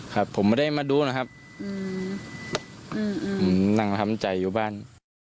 ครับผมไม่ได้มาดูนะครับผมนั่งทำใจอยู่บ้าน